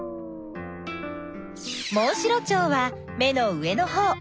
モンシロチョウは目の上のほう。